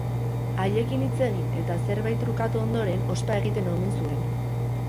Haiekin hitz egin eta zerbait trukatu ondoren ospa egiten omen zuen.